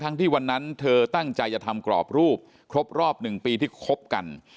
ที่วันนั้นเธอตั้งใจจะทำกรอบรูปครบรอบ๑ปีที่คบกัน